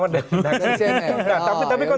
tapi konteksnya berarti